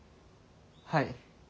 はい。